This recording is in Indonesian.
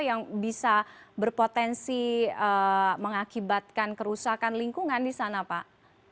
yang bisa berpotensi mengakibatkan kerusakan lingkungan di sana pak